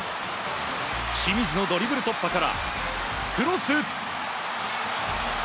清水のドリブル突破からクロス！